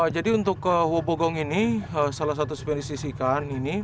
jadi untuk wobegong ini salah satu spesies ikan ini